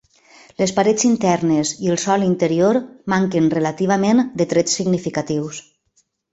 Les parets internes i el sòl interior manquen relativament de trets significatius.